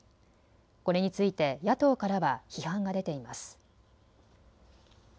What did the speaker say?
これについて野党からは批判が出ています。